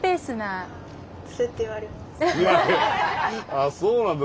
あっそうなんだ。